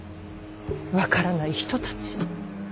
分からない人たち。